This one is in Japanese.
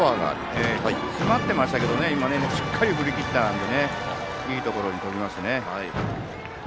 詰まっていましたけどしっかり振り切っていたのでいいところに飛びましたね。